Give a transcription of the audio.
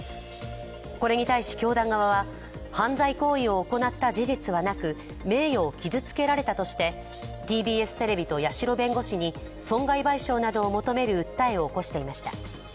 これに対し、教団側は犯罪行為を行った事実はなく名誉を傷つけられたとして、ＴＢＳテレビと八代弁護士に、損害賠償などを求める訴えを起こしていました。